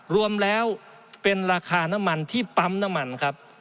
รวมแล้วเป็นราคาน้ำมันที่ปั๊มน้ำมันครับ